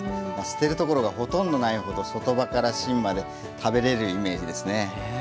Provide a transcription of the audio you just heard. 捨てるところがほとんどないほど外葉から芯まで食べれるイメージですね。